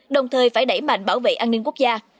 đồng thời phải đẩy mạnh bảo vệ an ninh quốc gia